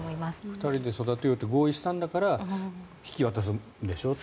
２人で育てようと合意したんだから引き渡すんでしょうと。